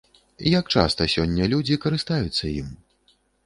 Як часта сёння людзі карыстаюцца ім?